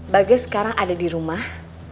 bagai sekarang ada di rumah